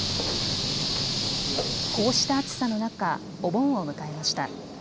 こうした暑さの中、お盆を迎えました。